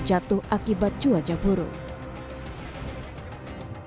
jatuh akibat cuaca buruk kita simpulkan sementara